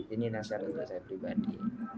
ini nasihat saya pribadi